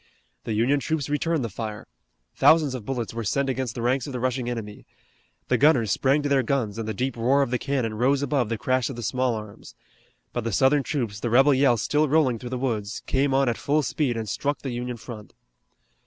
The Union troops returned the fire. Thousands of bullets were sent against the ranks of the rushing enemy. The gunners sprang to their guns and the deep roar of the cannon rose above the crash of the small arms. But the Southern troops, the rebel yell still rolling through the woods, came on at full speed and struck the Union front.